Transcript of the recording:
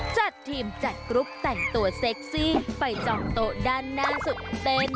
จัดทีมจัดกรุ๊ปแต่งตัวเซ็กซี่ไปจองโต๊ะด้านหน้าสุดเต้น